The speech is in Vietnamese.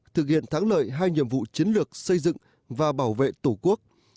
thực hiện thắng lợi hai nhiệm vụ chiến lược xây dựng và bảo vệ tổ quốc